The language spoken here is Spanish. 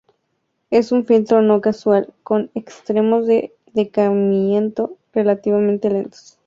Es un filtro no causal con extremos de decaimiento relativamente lentos.